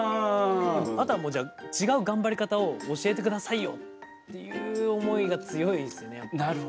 あとは、じゃあ違う頑張り方を教えてくださいよっていう思いが強いですよね、やっぱり。